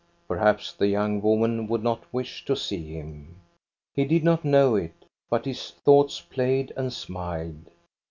Perhaps the young woman would not wish to see him. He did not know it, but his thoughts played and smiled.